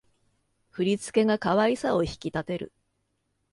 振り付けが可愛さを引き立てる